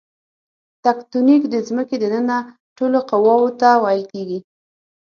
تکتونیک د ځمکې دننه ټولو قواوو ته ویل کیږي.